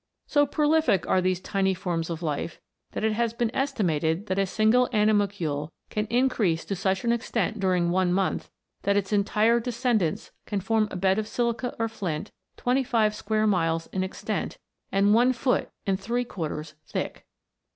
So prolific are these tiny forms of life, that it has been estimated that a single animal cule can increase to such an extent during one month, that its entire descendants can form a bed of silica or flint twenty five square miles in extent, and one foot and three quarters thick